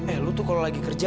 eh lu tuh kalau lagi kerja